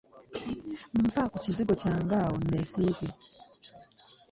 Mpa ku kizigo kyange awo nneesiige.